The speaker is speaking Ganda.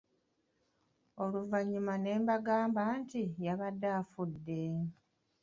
Oluvannyuma ne bagamba nti yabadde afudde!